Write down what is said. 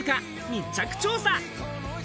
密着調査。